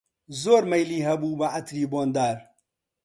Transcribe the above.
زۆر مەیلی هەبوو بە عەتری بۆندار